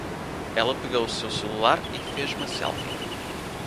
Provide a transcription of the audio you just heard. Ela pegou seu celular e fez uma selfie.